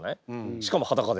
しかも裸で。